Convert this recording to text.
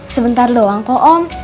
sebentar doang kok om